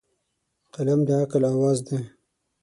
قلم د عقل اواز دی